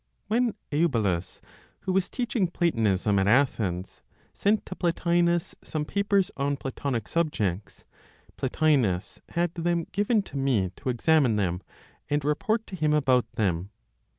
When Eubulus, who was teaching Platonism at Athens, sent to Plotinos some papers on Platonic subjects, Plotinos had them given to me to examine them and report to him about them.